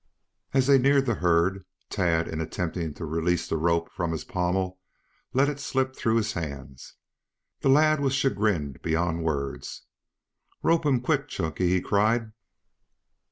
As they neared the herd, Tad in attempting to release the rope from the pommel let it slip through his hands. The lad was chagrined beyond words. "Rope him quick, Chunky!" he cried.